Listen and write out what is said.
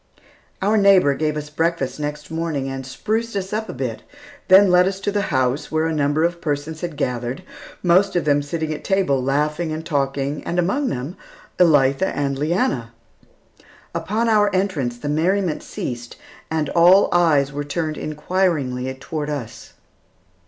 Our neighbor gave us breakfast next morning and spruced us up a bit, then led us to the house where a number of persons had gathered, most of them sitting at table laughing and talking, and among them, Elitha and Leanna. Upon our entrance, the merriment ceased and all eyes were turned inquiringly toward us.